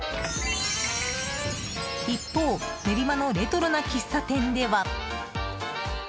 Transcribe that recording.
一方練馬のレトロな喫茶店では。